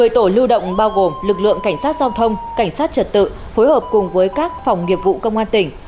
một mươi tổ lưu động bao gồm lực lượng cảnh sát giao thông cảnh sát trật tự phối hợp cùng với các phòng nghiệp vụ công an tỉnh